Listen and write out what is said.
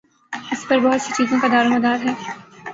اس پر بہت سی چیزوں کا دارومدار ہے۔